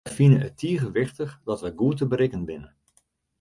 Wy fine it tige wichtich dat wy goed te berikken binne.